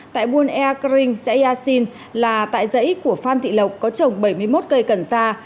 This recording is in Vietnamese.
tại buôn ea cărinh xã yà sinh là tại dãy của phan thị lộc có trồng bảy mươi một cây cần xa